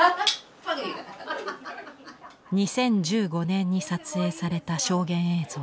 ２０１５年に撮影された証言映像。